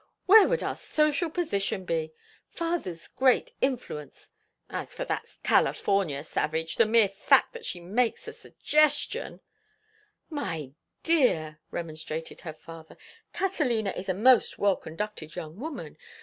Where would our social position be—father's great influence? As for that California savage, the mere fact that she makes a suggestion—" "My dear," remonstrated her father, "Catalina is a most well conducted young woman.